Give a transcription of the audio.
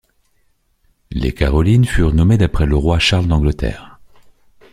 Les Carolines furent nommées d'après le roi Charles d'Angleterre.